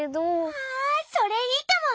あそれいいかも！